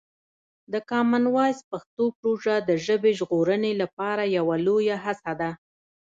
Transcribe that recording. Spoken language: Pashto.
د کامن وایس پښتو پروژه د ژبې ژغورنې لپاره یوه لویه هڅه ده.